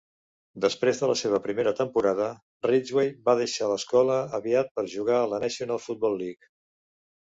Després de la seva primera temporada, Ridgeway va deixar l'escola aviat per jugar a la National Football League.